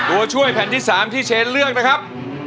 ตัวช่วยแผ่นที่๓ที่เชนเลือกนะครับ